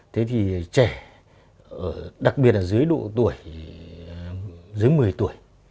thế thì trẻ đặc biệt là dưới độ tuổi dưới một mươi tuổi